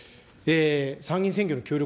参議院選挙の協力